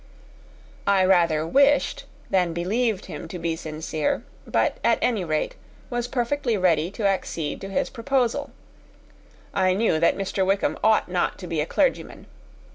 I rather wished than believed him to be sincere; but, at any rate, was perfectly ready to accede to his proposal. I knew that Mr. Wickham ought not to be a clergyman.